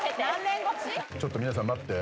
ちょっと皆さん待って。